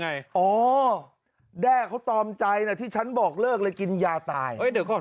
ไงอ๋อแด้เขาตอมใจนะที่ฉันบอกเลิกเลยกินยาตายเดี๋ยวก่อน